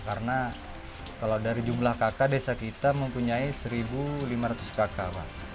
karena kalau dari jumlah kakak desa kita mempunyai seribu lima ratus kakak pak